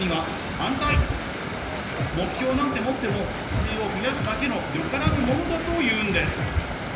目標なんて持っても苦痛を増やすだけのよからぬものだと言うんです。